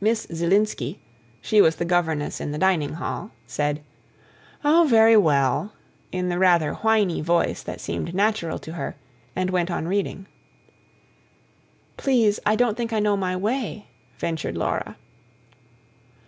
Miss Zielinski she was the governess in the dining hall said: "Oh, very well," in the rather whiny voice that seemed natural to her, and went on reading. "Please, I don't think I know my way," ventured Laura.